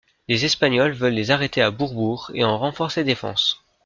Les Espagnols veulent les arrêter à Bourbourg et en renforcent les défenses.